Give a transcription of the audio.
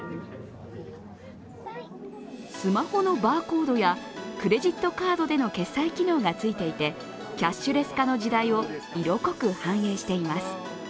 スマホのバーコードやクレジットカードでの決済機能がついていてキャッシュレス化の時代を色濃く反映しています。